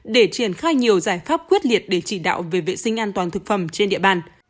để triển khai nhiều giải pháp quyết liệt để chỉ đạo về vệ sinh an toàn thực phẩm trên địa bàn